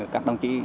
các đồng chí